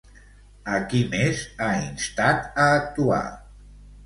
A qui més ha instat a actuar?